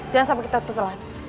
jangan sampai kita tutupan